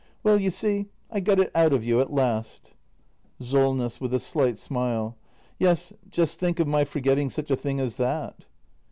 ] Well, you see, I got it out of you at last! Solness. [With a slight smile.] Yes — just think of my forget ting such a thing as that.